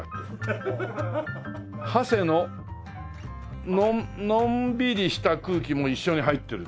長谷ののんびりした空気も一緒に入ってる。